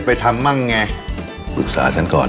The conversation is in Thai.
เราต้องมั่นใจในตัวเองค่ะ